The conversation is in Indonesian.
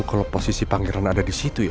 kalau posisi pangeran ada disitu ya